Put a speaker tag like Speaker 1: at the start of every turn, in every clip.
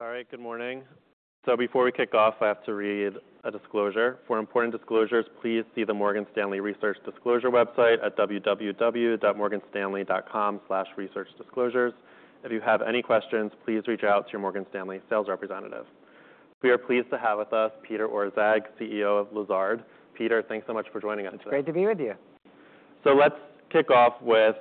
Speaker 1: All right. Good morning. So before we kick off, I have to read a disclosure. For important disclosures, please see the Morgan Stanley Research Disclosure website at www.morganstanley.com/researchdisclosures. If you have any questions, please reach out to your Morgan Stanley sales representative. We are pleased to have with us Peter Orszag, CEO of Lazard. Peter, thanks so much for joining us.
Speaker 2: It's great to be with you.
Speaker 1: So let's kick off with,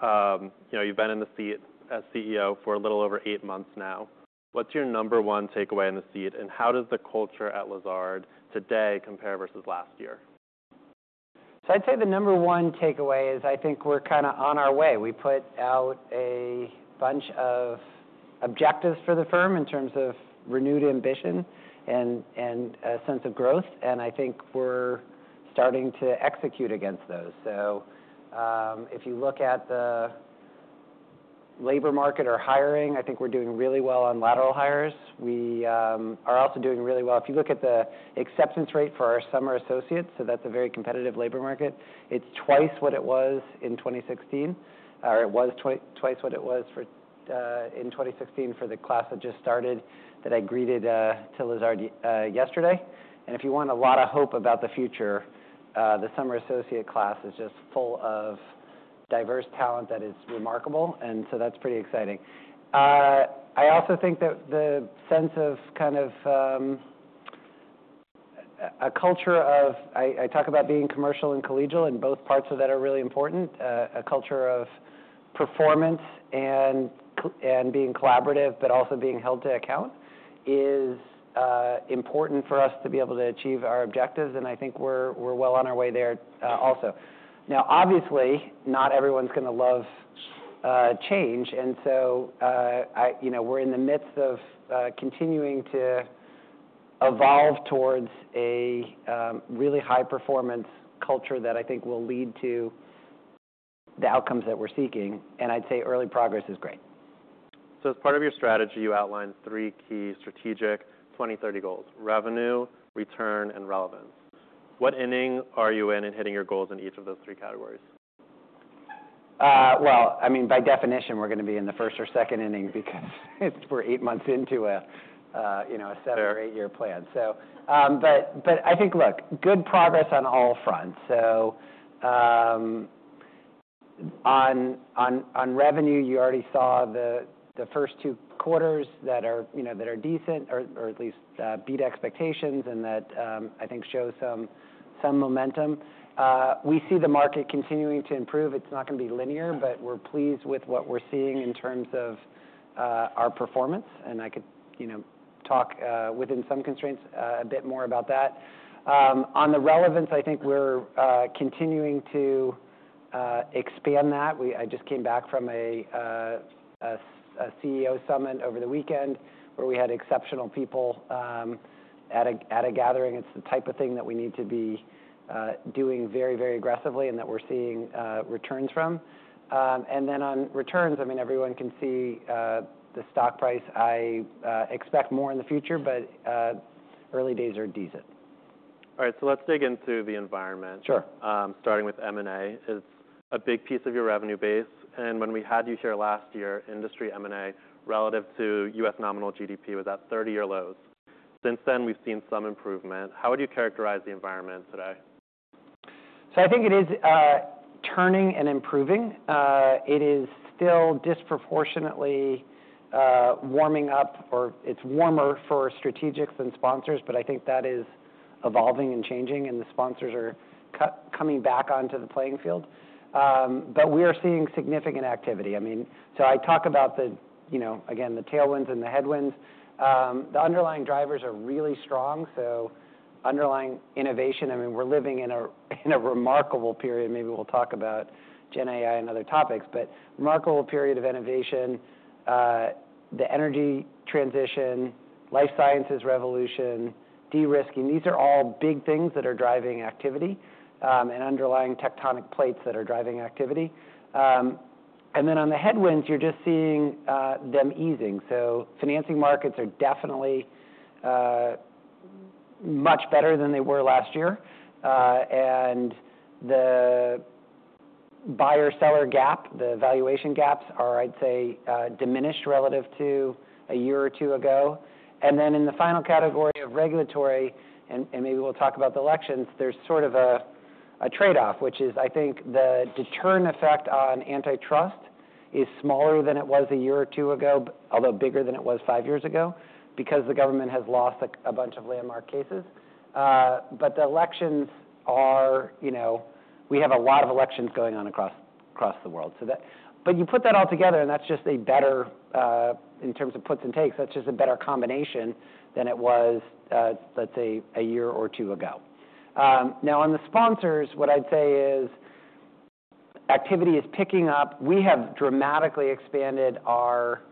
Speaker 1: you know, you've been in the seat as CEO for a little over eight months now. What's your number one takeaway in the seat, and how does the culture at Lazard today compare versus last year?
Speaker 2: So I'd say the number one takeaway is I think we're kinda on our way. We put out a bunch of objectives for the firm in terms of renewed ambition and sense of growth, and I think we're starting to execute against those. So, if you look at the labor market or hiring, I think we're doing really well on lateral hires. We are also doing really well. If you look at the acceptance rate for our summer associates, so that's a very competitive labor market, it's twice what it was in 2016, or it was twice what it was for, in 2016 for the class that just started that I greeted to Lazard yesterday. And if you want a lot of hope about the future, the summer associate class is just full of diverse talent that is remarkable, and so that's pretty exciting. I also think that the sense of kind of a culture of—I talk about being commercial and collegial, and both parts of that are really important. A culture of performance and being collaborative, but also being held to account is important for us to be able to achieve our objectives, and I think we're well on our way there, also. Now, obviously, not everyone's gonna love change, and so, you know, we're in the midst of continuing to evolve towards a really high-performance culture that I think will lead to the outcomes that we're seeking, and I'd say early progress is great.
Speaker 1: As part of your strategy, you outlined three key strategic 2030 goals: revenue, return, and relevance. What inning are you in, in hitting your goals in each of those three categories?
Speaker 2: Well, I mean, by definition, we're gonna be in the first or second inning because it's—we're eight months into a, you know, a seven or eight-year plan. So, but I think, look, good progress on all fronts. So, on revenue, you already saw the first two quarters that are, you know, that are decent or at least beat expectations and that, I think, show some momentum. We see the market continuing to improve. It's not gonna be linear, but we're pleased with what we're seeing in terms of our performance, and I could, you know, talk, within some constraints, a bit more about that. On the relevance, I think we're continuing to expand that. I just came back from a CEO summit over the weekend where we had exceptional people at a gathering. It's the type of thing that we need to be doing very, very aggressively and that we're seeing returns from. And then on returns, I mean, everyone can see the stock price. I expect more in the future, but early days are decent.
Speaker 1: All right. So let's dig into the environment.
Speaker 2: Sure.
Speaker 1: Starting with M&A. It's a big piece of your revenue base, and when we had you here last year, industry M&A relative to U.S. nominal GDP was at 30-year lows. Since then, we've seen some improvement. How would you characterize the environment today?
Speaker 2: So I think it is turning and improving. It is still disproportionately warming up, or it's warmer for strategics than sponsors, but I think that is evolving and changing, and the sponsors are coming back onto the playing field. But we are seeing significant activity. I mean, so I talk about the, you know, again, the tailwinds and the headwinds. The underlying drivers are really strong, so underlying innovation. I mean, we're living in a, in a remarkable period. Maybe we'll talk about Gen AI and other topics, but remarkable period of innovation. The energy transition, life sciences revolution, de-risking, these are all big things that are driving activity, and underlying tectonic plates that are driving activity. And then on the headwinds, you're just seeing them easing. So financing markets are definitely much better than they were last year. And the buyer-seller gap, the valuation gaps are, I'd say, diminished relative to a year or two ago. And then in the final category of regulatory, and maybe we'll talk about the elections, there's sort of a trade-off, which is I think the deterrent effect on antitrust is smaller than it was a year or two ago, although bigger than it was five years ago because the government has lost a bunch of landmark cases. But the elections are, you know, we have a lot of elections going on across the world, so that, but you put that all together, and that's just a better, in terms of puts and takes, that's just a better combination than it was, let's say, a year or two ago. Now on the sponsors, what I'd say is activity is picking up. We have dramatically expanded our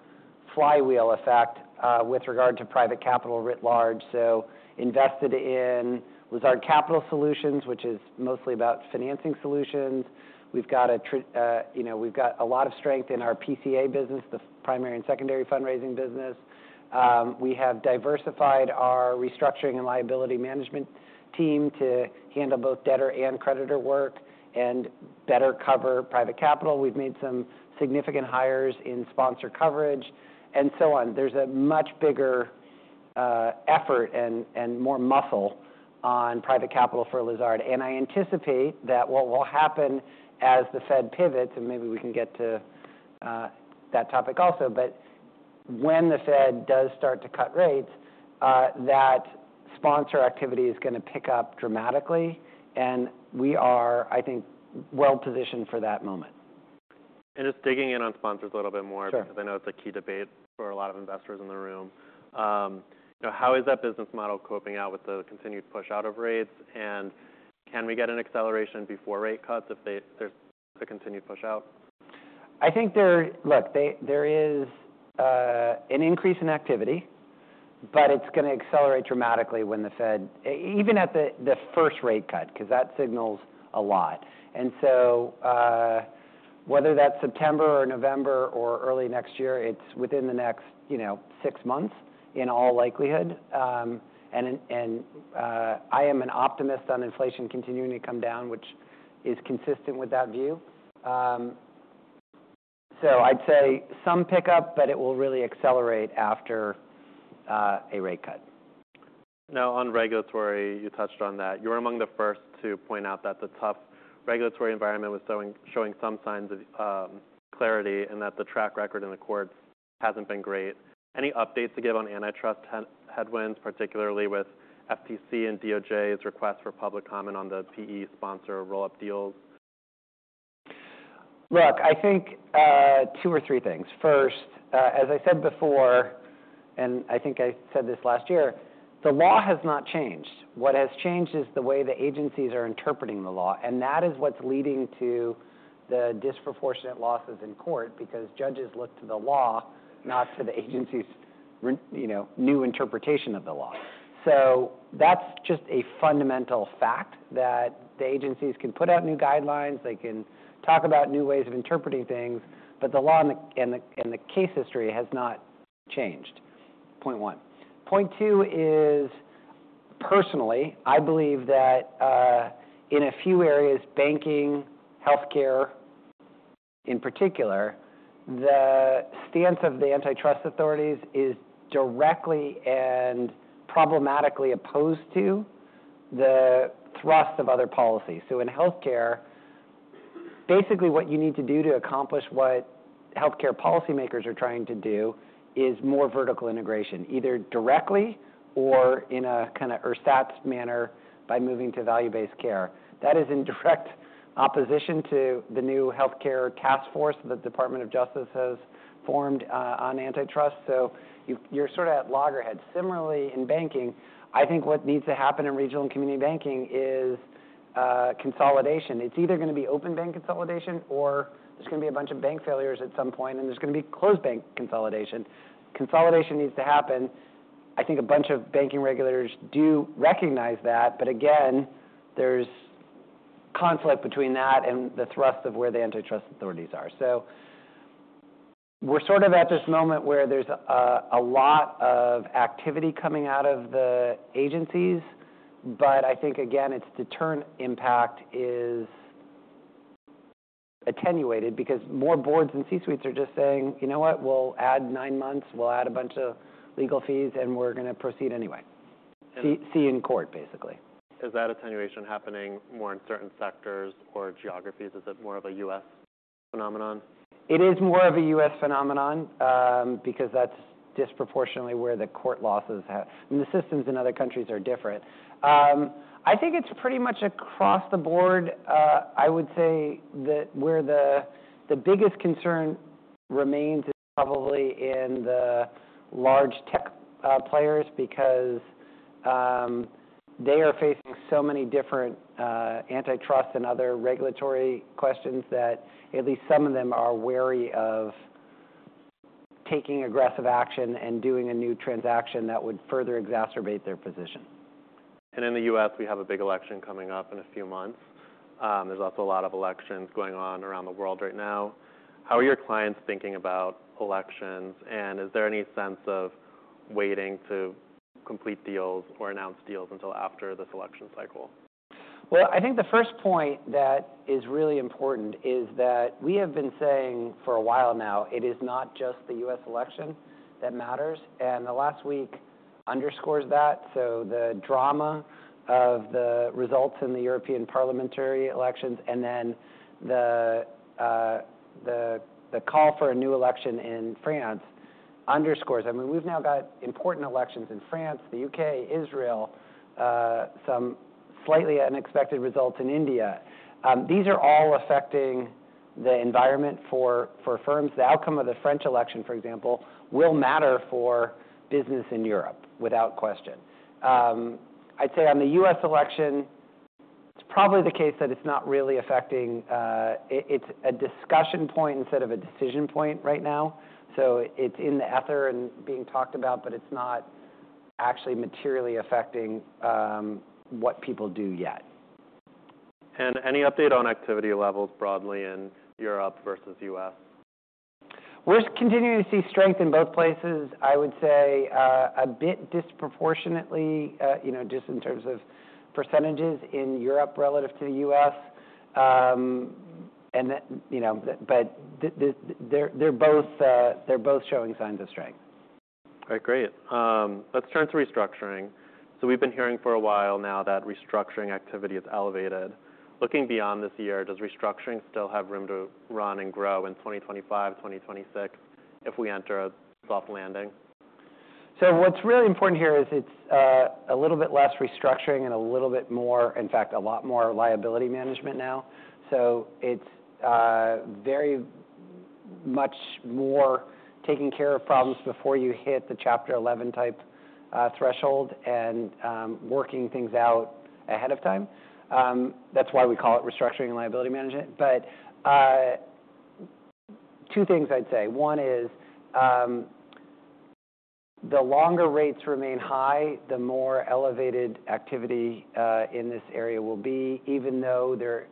Speaker 2: flywheel effect, with regard to private capital writ large. So invested in Lazard Capital Solutions, which is mostly about financing solutions. We've got a you know, we've got a lot of strength in our PCA business, the primary and secondary fundraising business. We have diversified our restructuring and liability management team to handle both debtor and creditor work and better cover private capital. We've made some significant hires in sponsor coverage and so on. There's a much bigger effort and more muscle on private capital for Lazard, and I anticipate that what will happen as the Fed pivots, and maybe we can get to that topic also, but when the Fed does start to cut rates, that sponsor activity is gonna pick up dramatically, and we are, I think, well-positioned for that moment.
Speaker 1: Just digging in on sponsors a little bit more.
Speaker 2: Sure.
Speaker 1: ’Cause I know it’s a key debate for a lot of investors in the room. You know, how is that business model coping out with the continued push out of rates, and can we get an acceleration before rate cuts if they there’s a continued push out?
Speaker 2: I think there is an increase in activity, but it's gonna accelerate dramatically when the Fed even at the first rate cut 'cause that signals a lot. And so, whether that's September or November or early next year, it's within the next, you know, six months in all likelihood. And I am an optimist on inflation continuing to come down, which is consistent with that view. So I'd say some pickup, but it will really accelerate after a rate cut.
Speaker 1: Now, on regulatory, you touched on that. You were among the first to point out that the tough regulatory environment was showing some signs of clarity and that the track record in the courts hasn't been great. Any updates to give on antitrust headwinds, particularly with FTC and DOJ's request for public comment on the PE sponsor roll-up deals?
Speaker 2: Look, I think two or three things. First, as I said before, and I think I said this last year, the law has not changed. What has changed is the way the agencies are interpreting the law, and that is what's leading to the disproportionate losses in court because judges look to the law, not to the agency's, you know, new interpretation of the law. So that's just a fundamental fact that the agencies can put out new guidelines, they can talk about new ways of interpreting things, but the law in the case history has not changed. Point one. Point two is, personally, I believe that, in a few areas, banking, healthcare in particular, the stance of the antitrust authorities is directly and problematically opposed to the thrust of other policies. So in healthcare, basically what you need to do to accomplish what healthcare policymakers are trying to do is more vertical integration, either directly or in a kinda ersatz manner by moving to value-based care. That is in direct opposition to the new healthcare task force that the Department of Justice has formed, on antitrust, so you're sorta at loggerheads. Similarly, in banking, I think what needs to happen in regional and community banking is consolidation. It's either gonna be open bank consolidation or there's gonna be a bunch of bank failures at some point, and there's gonna be closed bank consolidation. Consolidation needs to happen. I think a bunch of banking regulators do recognize that, but again, there's conflict between that and the thrust of where the antitrust authorities are. So we're sorta at this moment where there's a lot of activity coming out of the agencies, but I think, again, its deterrent impact is attenuated because more boards and C-suites are just saying, "You know what? We'll add nine months, we'll add a bunch of legal fees, and we're gonna proceed anyway.
Speaker 1: And.
Speaker 2: See, see in court, basically.
Speaker 1: Is that attenuation happening more in certain sectors or geographies? Is it more of a U.S. phenomenon?
Speaker 2: It is more of a U.S. phenomenon, because that's disproportionately where the court losses, I mean, the systems in other countries are different. I think it's pretty much across the board. I would say that where the biggest concern remains is probably in the large tech players because they are facing so many different antitrust and other regulatory questions that at least some of them are wary of taking aggressive action and doing a new transaction that would further exacerbate their position.
Speaker 1: In the U.S., we have a big election coming up in a few months. There's also a lot of elections going on around the world right now. How are your clients thinking about elections, and is there any sense of waiting to complete deals or announce deals until after this election cycle?
Speaker 2: Well, I think the first point that is really important is that we have been saying for a while now it is not just the U.S. election that matters, and the last week underscores that. So the drama of the results in the European parliamentary elections and then the call for a new election in France underscores I mean, we've now got important elections in France, the U.K., Israel, some slightly unexpected results in India. These are all affecting the environment for firms. The outcome of the French election, for example, will matter for business in Europe without question. I'd say on the U.S. election, it's probably the case that it's not really affecting, it's a discussion point instead of a decision point right now. So it's in the ether and being talked about, but it's not actually materially affecting what people do yet.
Speaker 1: Any update on activity levels broadly in Europe versus U.S.?
Speaker 2: We're continuing to see strength in both places. I would say, a bit disproportionately, you know, just in terms of percentages in Europe relative to the U.S. And you know, but they're both, they're both showing signs of strength.
Speaker 1: All right. Great. Let's turn to restructuring. So we've been hearing for a while now that restructuring activity is elevated. Looking beyond this year, does restructuring still have room to run and grow in 2025, 2026 if we enter a soft landing?
Speaker 2: So what's really important here is it's a little bit less restructuring and a little bit more, in fact, a lot more liability management now. So it's very much more taking care of problems before you hit the Chapter 11 type threshold and working things out ahead of time. That's why we call it restructuring and liability management. But two things I'd say. One is the longer rates remain high, the more elevated activity in this area will be, even though they're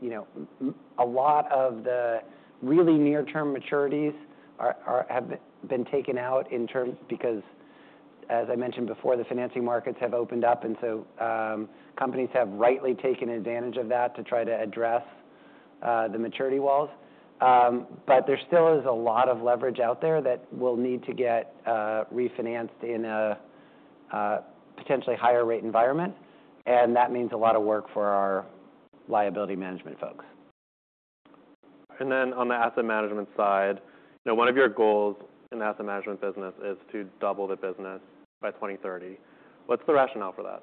Speaker 2: you know a lot of the really near-term maturities have been taken out in terms because as I mentioned before the financing markets have opened up, and so companies have rightly taken advantage of that to try to address the maturity walls. But there still is a lot of leverage out there that will need to get refinanced in a potentially higher-rate environment, and that means a lot of work for our liability management folks.
Speaker 1: And then on the asset management side, you know, one of your goals in the asset management business is to double the business by 2030. What's the rationale for that?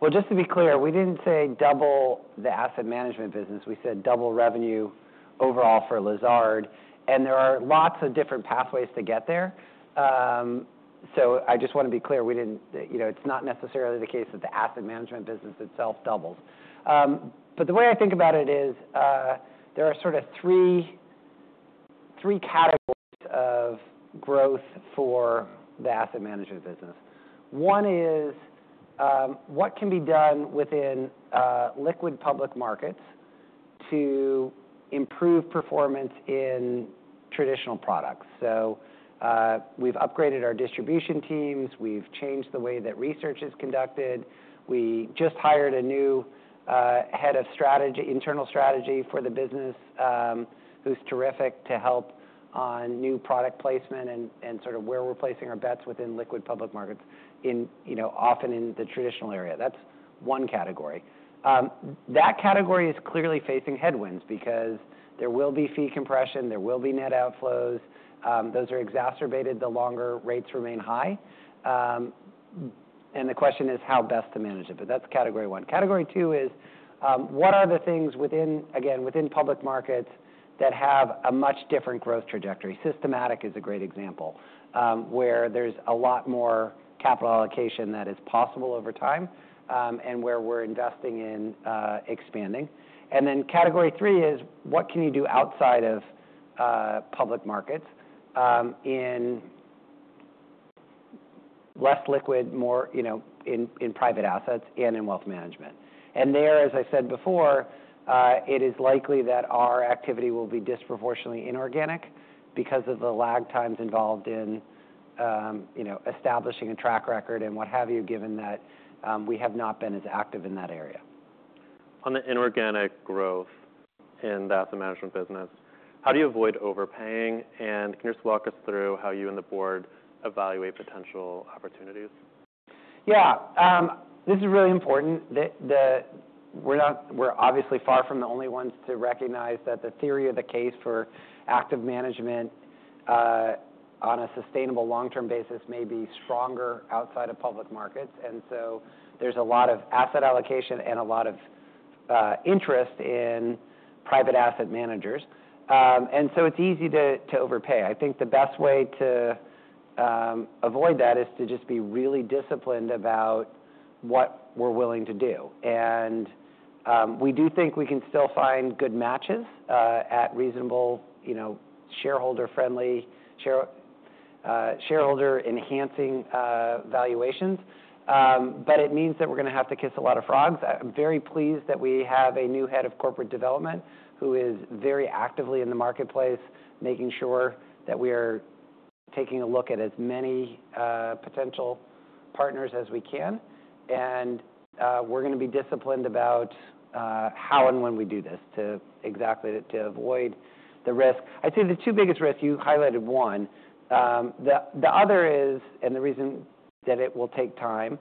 Speaker 2: Well, just to be clear, we didn't say double the asset management business. We said double revenue overall for Lazard, and there are lots of different pathways to get there. So I just wanna be clear, we didn't, you know, it's not necessarily the case that the asset management business itself doubles. But the way I think about it is, there are sorta three, three categories of growth for the asset management business. One is, what can be done within liquid public markets to improve performance in traditional products. So, we've upgraded our distribution teams, we've changed the way that research is conducted, we just hired a new head of strategy, internal strategy for the business, who's terrific to help on new product placement and, and sorta where we're placing our bets within liquid public markets in, you know, often in the traditional area. That's one category. That category is clearly facing headwinds because there will be fee compression, there will be net outflows. Those are exacerbated the longer rates remain high. And the question is how best to manage it, but that's category one. Category two is, what are the things within, again, within public markets that have a much different growth trajectory? Systematic is a great example, where there's a lot more capital allocation that is possible over time, and where we're investing in, expanding. And then category three is what can you do outside of, public markets, in less liquid, more, you know, in, in private assets and in wealth management. And there, as I said before, it is likely that our activity will be disproportionately inorganic because of the lag times involved in, you know, establishing a track record and what have you, given that, we have not been as active in that area.
Speaker 1: On the inorganic growth in the asset management business, how do you avoid overpaying, and can you just walk us through how you and the board evaluate potential opportunities?
Speaker 2: Yeah. This is really important. We're obviously far from the only ones to recognize that the theory of the case for active management, on a sustainable long-term basis, may be stronger outside of public markets, and so there's a lot of asset allocation and a lot of interest in private asset managers. And so it's easy to overpay. I think the best way to avoid that is to just be really disciplined about what we're willing to do. And we do think we can still find good matches at reasonable, you know, shareholder-friendly, shareholder-enhancing valuations. But it means that we're gonna have to kiss a lot of frogs. I'm very pleased that we have a new head of corporate development who is very actively in the marketplace, making sure that we are taking a look at as many potential partners as we can, and we're gonna be disciplined about how and when we do this to exactly to avoid the risk. I'd say the two biggest risks, you highlighted one. The other is, and the reason that it will take time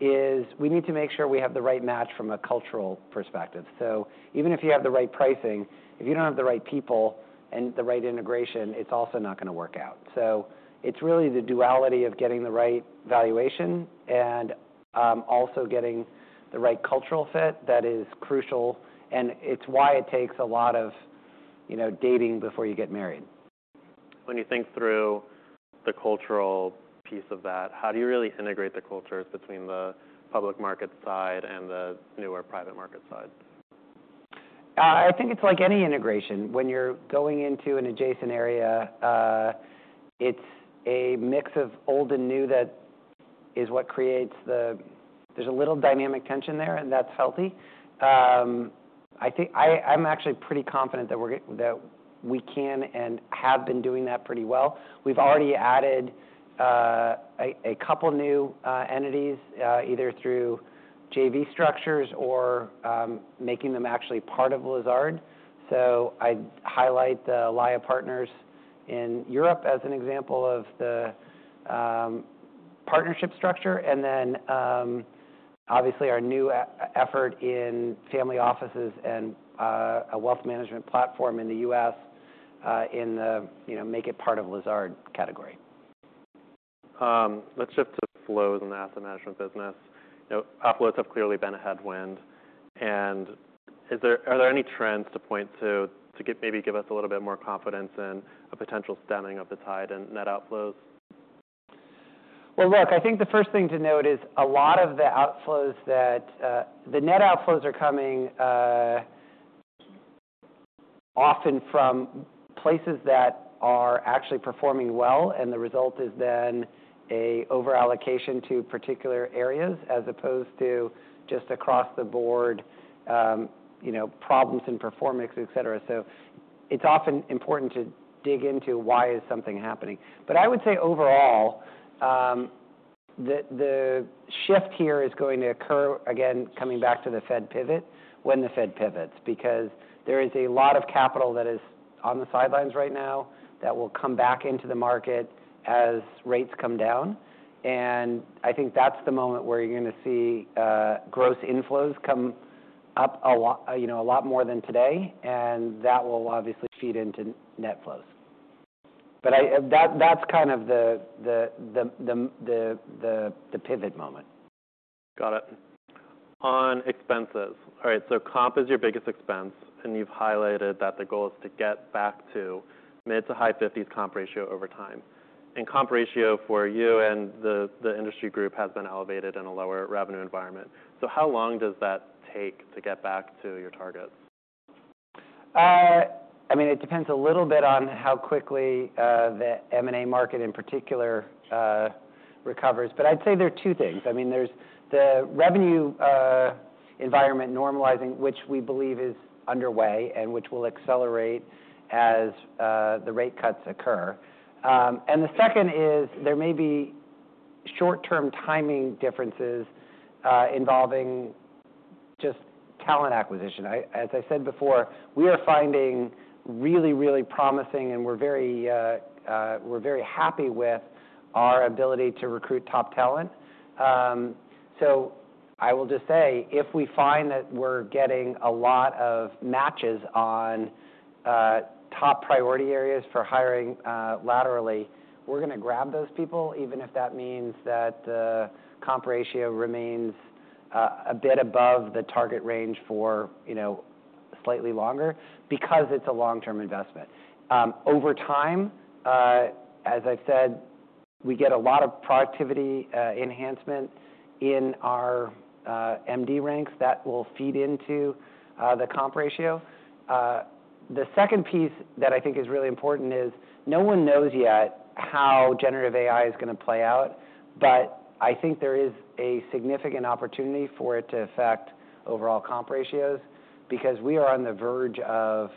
Speaker 2: is we need to make sure we have the right match from a cultural perspective. So even if you have the right pricing, if you don't have the right people and the right integration, it's also not gonna work out. So it's really the duality of getting the right valuation and also getting the right cultural fit that is crucial, and it's why it takes a lot of, you know, dating before you get married.
Speaker 1: When you think through the cultural piece of that, how do you really integrate the cultures between the public market side and the newer private market side?
Speaker 2: I think it's like any integration. When you're going into an adjacent area, it's a mix of old and new that is what creates the there's a little dynamic tension there, and that's healthy. I think I'm actually pretty confident that we can and have been doing that pretty well. We've already added a couple new entities, either through JV structures or making them actually part of Lazard. So I'd highlight the Elaia Partners in Europe as an example of the partnership structure, and then, obviously our new effort in family offices and a wealth management platform in the U.S., in the you know, make it part of Lazard category.
Speaker 1: Let's shift to flows in the asset management business. You know, outflows have clearly been a headwind, and are there any trends to point to, to maybe give us a little bit more confidence in a potential stemming of the tide and net outflows?
Speaker 2: Well, look, I think the first thing to note is a lot of the outflows, the net outflows are coming often from places that are actually performing well, and the result is then an overallocation to particular areas as opposed to just across the board, you know, problems in performance, etc. So it's often important to dig into why is something happening. But I would say overall, the shift here is going to occur, again, coming back to the Fed pivot, when the Fed pivots, because there is a lot of capital that is on the sidelines right now that will come back into the market as rates come down. And I think that's the moment where you're gonna see gross inflows come up a lot, you know, a lot more than today, and that will obviously feed into net flows. But that's kind of the pivot moment.
Speaker 1: Got it. On expenses. All right. So comp is your biggest expense, and you've highlighted that the goal is to get back to mid- to high 50s comp ratio over time. Comp ratio for you and the industry group has been elevated in a lower revenue environment. So how long does that take to get back to your targets?
Speaker 2: I mean, it depends a little bit on how quickly the M&A market in particular recovers. But I'd say there are two things. I mean, there's the revenue environment normalizing, which we believe is underway and which will accelerate as the rate cuts occur. And the second is there may be short-term timing differences involving just talent acquisition. I, as I said before, we are finding really, really promising, and we're very, we're very happy with our ability to recruit top talent. So I will just say if we find that we're getting a lot of matches on top priority areas for hiring laterally, we're gonna grab those people, even if that means that the comp ratio remains a bit above the target range for, you know, slightly longer because it's a long-term investment. Over time, as I've said, we get a lot of productivity enhancement in our MD ranks that will feed into the comp ratio. The second piece that I think is really important is no one knows yet how generative AI is gonna play out, but I think there is a significant opportunity for it to affect overall comp ratios because we are on the verge of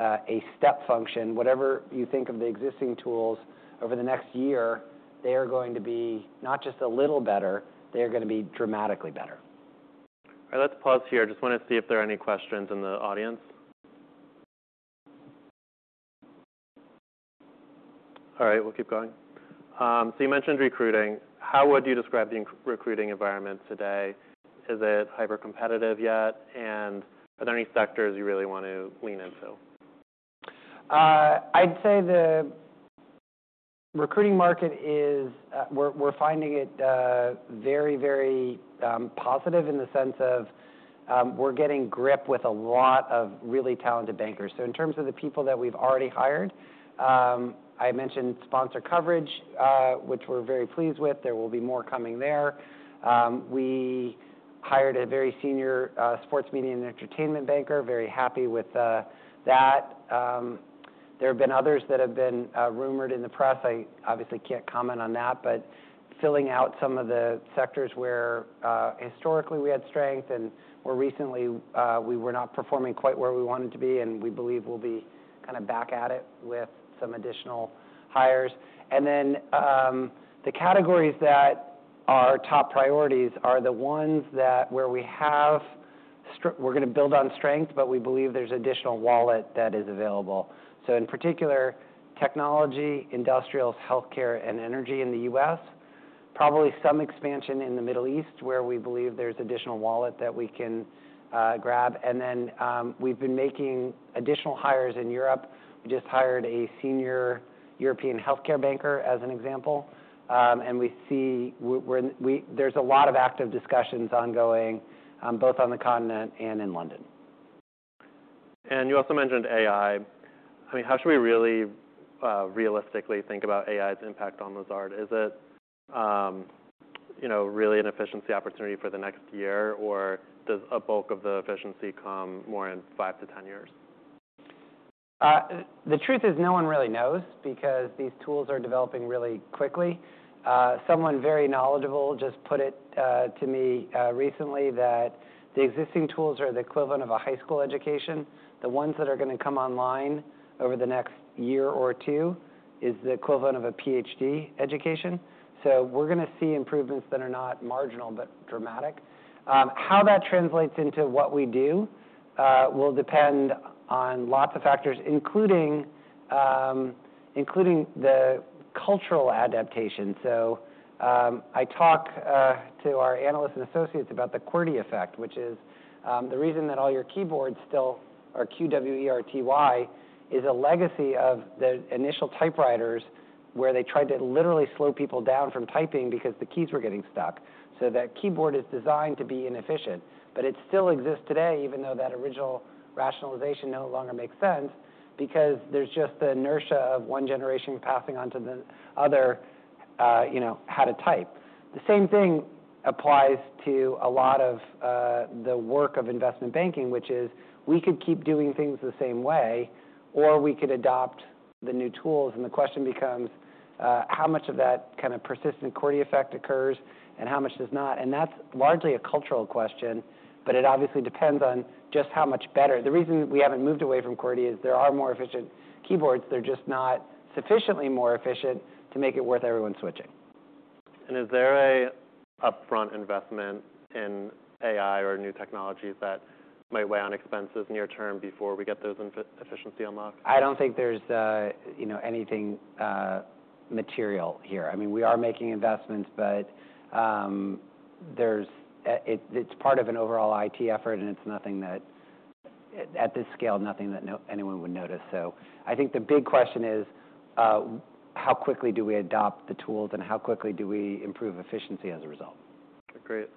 Speaker 2: a step function. Whatever you think of the existing tools, over the next year, they are going to be not just a little better, they are gonna be dramatically better.
Speaker 1: All right. Let's pause here. I just wanna see if there are any questions in the audience. All right. We'll keep going. So you mentioned recruiting. How would you describe the recruiting environment today? Is it hyper-competitive yet, and are there any sectors you really wanna lean into?
Speaker 2: I'd say the recruiting market is, we're finding it very, very positive in the sense of, we're getting grip with a lot of really talented bankers. So in terms of the people that we've already hired, I mentioned sponsor coverage, which we're very pleased with. There will be more coming there. We hired a very senior sports media and entertainment banker, very happy with that. There have been others that have been rumored in the press. I obviously can't comment on that, but filling out some of the sectors where, historically we had strength and more recently, we were not performing quite where we wanted to be, and we believe we'll be kinda back at it with some additional hires. The categories that are top priorities are the ones that, where we have, we're gonna build on strength, but we believe there's additional wallet that is available. So in particular, technology, industrials, healthcare, and energy in the U.S., probably some expansion in the Middle East where we believe there's additional wallet that we can grab. We've been making additional hires in Europe. We just hired a senior European healthcare banker as an example, and we see we're in, there's a lot of active discussions ongoing, both on the continent and in London.
Speaker 1: You also mentioned AI. I mean, how should we really, realistically think about AI's impact on Lazard? Is it, you know, really an efficiency opportunity for the next year, or does a bulk of the efficiency come more in 5-10 years?
Speaker 2: The truth is no one really knows because these tools are developing really quickly. Someone very knowledgeable just put it to me recently that the existing tools are the equivalent of a high school education. The ones that are gonna come online over the next year or two is the equivalent of a PhD education. So we're gonna see improvements that are not marginal but dramatic. How that translates into what we do will depend on lots of factors, including, including the cultural adaptation. So I talk to our analysts and associates about the QWERTY effect, which is the reason that all your keyboards still are Q-W-E-R-T-Y is a legacy of the initial typewriters where they tried to literally slow people down from typing because the keys were getting stuck. So that keyboard is designed to be inefficient, but it still exists today, even though that original rationalization no longer makes sense because there's just the inertia of one generation passing on to the other, you know, how to type. The same thing applies to a lot of, the work of investment banking, which is we could keep doing things the same way or we could adopt the new tools. The question becomes, how much of that kinda persistent QWERTY effect occurs and how much does not? That's largely a cultural question, but it obviously depends on just how much better. The reason we haven't moved away from QWERTY is there are more efficient keyboards. They're just not sufficiently more efficient to make it worth everyone switching.
Speaker 1: Is there an upfront investment in AI or new technologies that might weigh on expenses near term before we get those in efficiency unlocked?
Speaker 2: I don't think there's, you know, anything material here. I mean, we are making investments, but it's part of an overall IT effort, and it's nothing that at this scale no one would notice. So I think the big question is, how quickly do we adopt the tools and how quickly do we improve efficiency as a result?
Speaker 1: Great.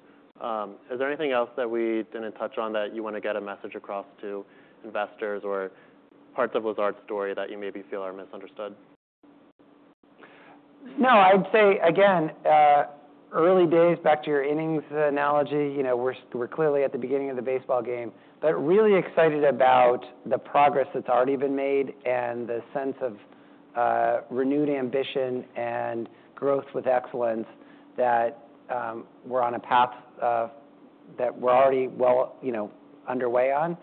Speaker 1: Is there anything else that we didn't touch on that you wanna get a message across to investors or parts of Lazard's story that you maybe feel are misunderstood?
Speaker 2: No. I'd say, again, early days, back to your innings analogy, you know, we're clearly at the beginning of the baseball game, but really excited about the progress that's already been made and the sense of renewed ambition and growth with excellence that we're on a path that we're already well, you know, underway on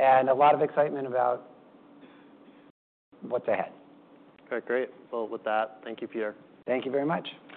Speaker 2: and a lot of excitement about what's ahead.
Speaker 1: Okay. Great. Well, with that, thank you, Peter.
Speaker 2: Thank you very much.